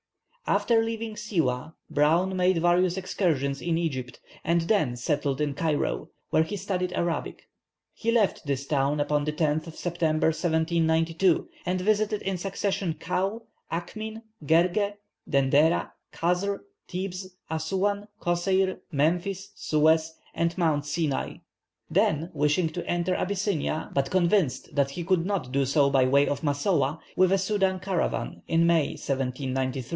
After leaving Siwâh, Browne made various excursions in Egypt, and then settled in Cairo, where he studied Arabic. He left this town upon the 10th of September, 1792, and visited in succession Kaw, Achmin, Gergeh, Dendera, Kazr, Thebes, Assoûan, Kosseir, Memphis, Suez, and Mount Sinai; then wishing to enter Abyssinia, but convinced that he could not do so by way of Massowah, he left Assiût for Darfur, with a Soudan caravan, in May, 1793.